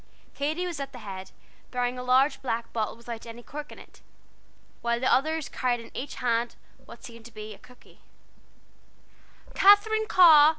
Katy was at the head, bearing a large black bottle without any cork in it, while the others carried in each hand what seemed to be a cookie. "Katherine Carr!